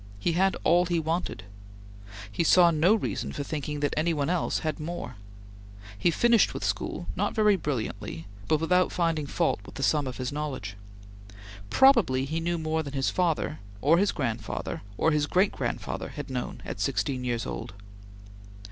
He had all he wanted. He saw no reason for thinking that any one else had more. He finished with school, not very brilliantly, but without finding fault with the sum of his knowledge. Probably he knew more than his father, or his grandfather, or his great grandfather had known at sixteen years old.